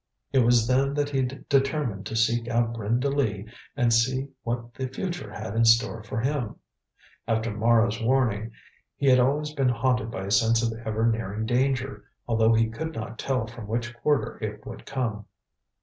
It was then that he determined to seek out Brenda Lee and see what the future had in store for him. After Mara's warning, he had always been haunted by a sense of ever nearing danger, although he could not tell from which quarter it would come.